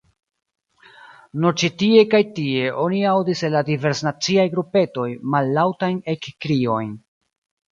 Nur ĉi tie kaj tie oni aŭdis el la diversnaciaj grupetoj mallaŭtajn ekkriojn: